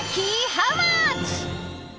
ハウマッチ。